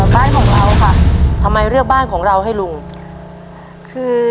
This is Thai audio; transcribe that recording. ทั้งมาตั้งไปเรียกบ้านของเราให้ลุค